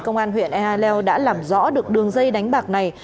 công an huyện e hà leo đã làm rõ được đường dây đánh bạc này